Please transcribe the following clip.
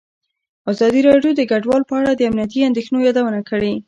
ازادي راډیو د کډوال په اړه د امنیتي اندېښنو یادونه کړې.